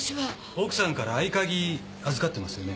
奥さんから合鍵預かってますよね？